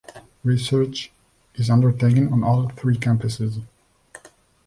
Research is undertaken on all three campuses.